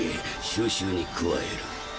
収集に加える。